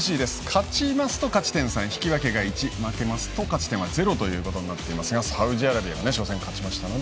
勝ちますと勝ち点３引き分けが１、負けますと勝ち点は０ということになっていますがサウジアラビアが初戦勝ちました、